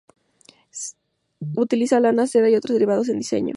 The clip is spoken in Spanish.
Stella utiliza lana, seda, y otros derivados en sus diseños.